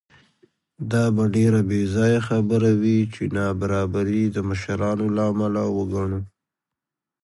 دا به ډېره بېځایه خبره وي چې نابرابري د مشرانو له امله وګڼو.